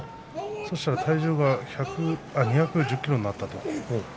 体重が２１０ｋｇになったと。